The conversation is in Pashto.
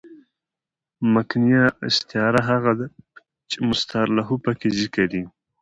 مکنیه استعاره هغه ده، چي مستعارله پکښي ذکر يي.